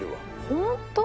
本当？